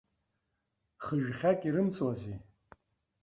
Хы-жәхьак ирымҵуазеи?!